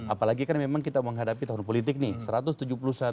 apalagi kan memang kita menghadapi tahun politik nih